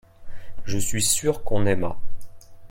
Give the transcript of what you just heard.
Je suis sûr qu'on aima.